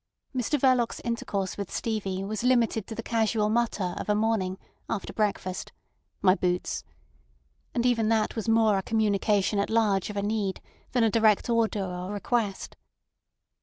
Mr Verloc's intercourse with Stevie was limited to the casual mutter of a morning, after breakfast, "My boots," and even that was more a communication at large of a need than a direct order or request.